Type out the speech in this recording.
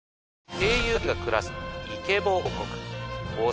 声優だけが暮らすイケボ王国。